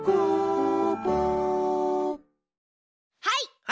はい！